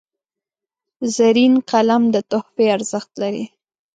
زرین قلم د تحفې ارزښت لري.